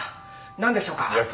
何でしょうか？